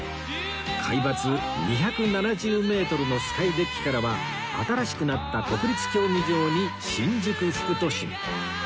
海抜２７０メートルのスカイデッキからは新しくなった国立競技場に新宿副都心